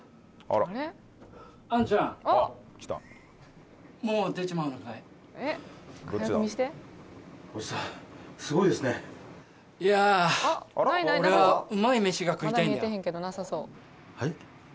おじさんすごいですねいや俺はうまい飯が食いたいんだよはい？